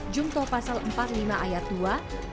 jungto pasal empat puluh lima ayat dua